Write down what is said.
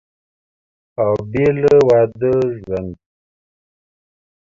او بېله واده ژوند